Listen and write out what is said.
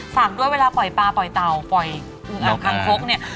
ฝากด้วยเวลาปล่อยปลาปล่อยเต่าปล่อยงูอ่าวคังคกเนี่ย